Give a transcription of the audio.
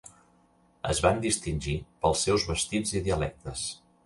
Es van distingir pels seus vestits i dialectes.